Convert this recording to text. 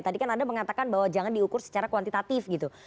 tadi kan anda mengatakan bahwa jangan diukur secara kuantitatif gitu